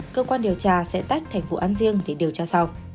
cơ quan điều tra sẽ tách thành vụ án riêng để điều tra sau